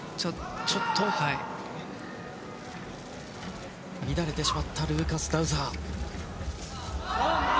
ちょっと乱れてしまったルーカス・ダウザー。